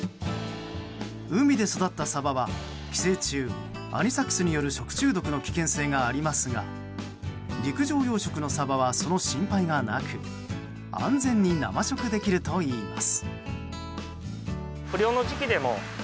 海で育ったサバは寄生虫アニサキスによる食中毒の危険性がありますが陸上養殖場のサバはその心配がなく安全に生食できるといいます。